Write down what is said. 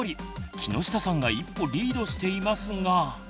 木下さんが一歩リードしていますが。